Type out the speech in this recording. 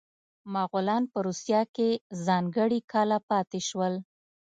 مغولان په روسیه کې ځانګړي کاله پاتې شول.